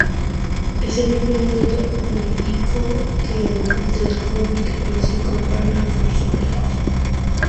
Es el mismo mundo onírico que el del cómic, pero se incorporan nuevos personajes.